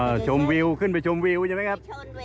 ชมวิวขึ้นไปชมวิวใช่ไหมครับ